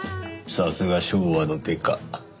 さすが昭和のデカ。